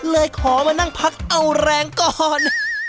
เลยขอมานั่งพักเอาแรงก่อน